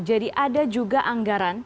jadi ada juga anggaran